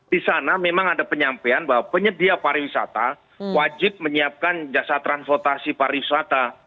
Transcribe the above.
di sana memang ada penyampaian bahwa penyedia pariwisata wajib menyiapkan jasa transportasi pariwisata